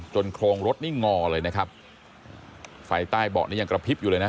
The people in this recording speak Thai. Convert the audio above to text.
โครงรถนี่งอเลยนะครับไฟใต้เบาะนี้ยังกระพริบอยู่เลยนะ